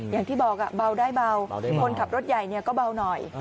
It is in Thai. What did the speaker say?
อย่างที่บอกเบาได้เบาคนขับรถใหญ่ก็เบาหน่อย